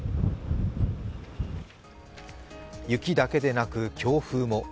雪だけでなく、強風も。